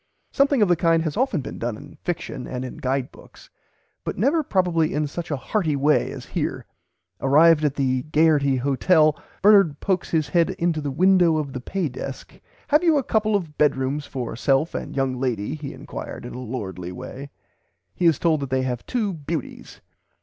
Something of the kind has often been done in fiction and in guide books, but never probably in such a hearty way as here. Arrived at the "Gaierty" Hotel Bernard pokes his head into the "window of the pay desk. Have you a couple of bedrooms for self and young lady he enquired in a lordly way." He is told that they have two beauties.